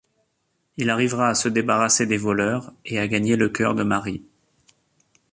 Il arrivera à se débarrasser des voleurs et à gagner le cœur de Mary.